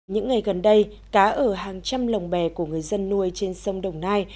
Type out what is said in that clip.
những ngày gần đây cá ở hàng trăm lồng bè của người dân nuôi trên sông đồng nai